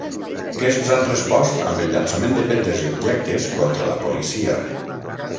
Aquests han respost amb el llançament de pedres i objectes contra la policia.